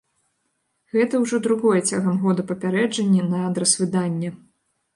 Гэта ўжо другое цягам года папярэджанне на адрас выдання.